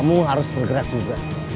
kamu harus bergerak juga